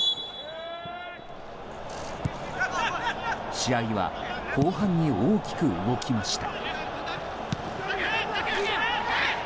試合は後半に大きく動きました。